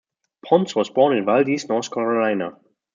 Pons was born in Valdese, North Carolina.